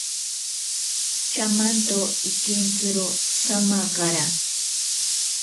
Chamanto ikentziro samakara.